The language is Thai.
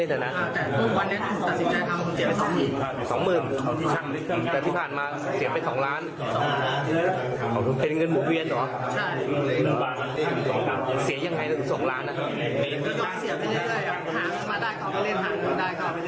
หามาได้เขาก็เล่นหามาได้เขาก็เล่น